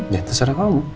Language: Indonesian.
ya terserah kamu